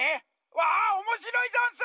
わあおもしろいざんす！